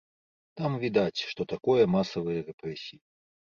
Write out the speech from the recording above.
Там відаць, што такое масавыя рэпрэсіі.